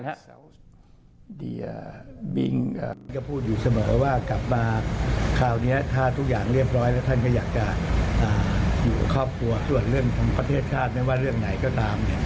แล้วบิ๊กก็พูดอยู่เสมอว่ากลับมาคราวนี้ถ้าทุกอย่างเรียบร้อยแล้วท่านก็อยากจะอยู่ครอบครัวส่วนเรื่องของประเทศชาติไม่ว่าเรื่องไหนก็ตาม